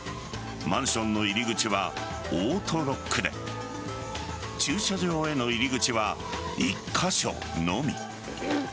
マンションの入り口はオートロックで駐車場への入り口は１カ所のみ。